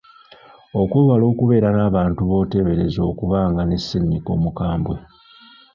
Okwewala okubeera n’abantu b’oteebereza okuba nga ne ssennyiga omukambwe.